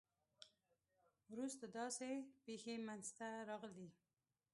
وروسته داسې پېښې منځته راغلې.